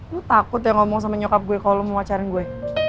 lu takut ya ngomong sama nyokap gue kalo lu mau pacaran gue